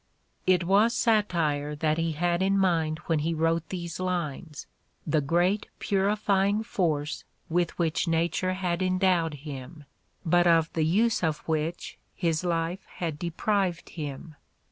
It was satire that he had in mind when he wrote these lines, the great purifying force with which nature had endowed him, but of the use of which his life had deprived him.